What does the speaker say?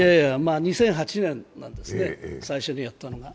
２００８年なんですね、最初にやったのが。